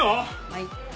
はい。